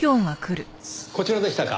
こちらでしたか。